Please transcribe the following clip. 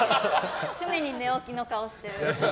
常に寝起きの顔してる。